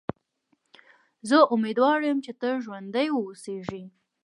زه امیدوار یم چې ته ژوندی و اوسېږې.